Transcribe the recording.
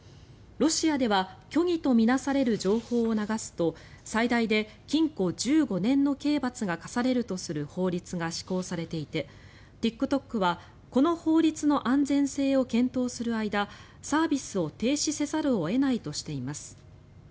ロシアでは虚偽と見なされる情報を流すと最大で禁錮１５年の刑罰が科されるとする法律が施行されていてＴｉｋＴｏｋはこの法律の安全性を検討する間サービスを停止せざるを得ないとしています。